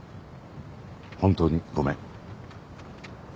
本当にごめん。